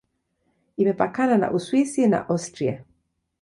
Imepakana na Uswisi na Austria.